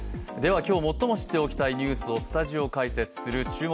今日、最も知っておきたいニュースをスタジオ解説する「注目！